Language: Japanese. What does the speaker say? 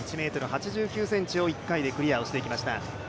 １ｍ８９ｃｍを１回でクリアをしていきました。